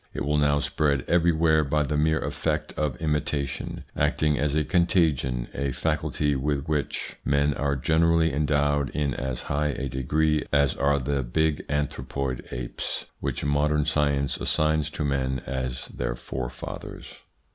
It will now spread everywhere by the mere effect of imita tion, acting as a contagion, a faculty with which men are generally endowed in as high a degree as are the big anthropoid apes, which modern science assigns to men as their forefathers.